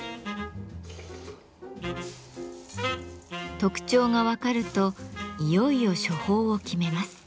特徴が分かるといよいよ処方を決めます。